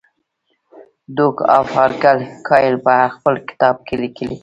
ډوک آف ارګایل په خپل کتاب کې لیکي.